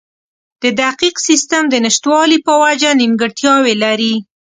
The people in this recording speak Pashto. د دقیق سیستم د نشتوالي په وجه نیمګړتیاوې لري.